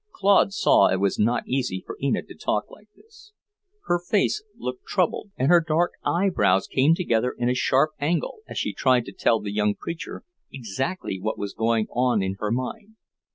Claude saw it was not easy for Enid to talk like this. Her face looked troubled, and her dark eyebrows came together in a sharp angle as she tried to tell the young preacher exactly what was going on in her mind.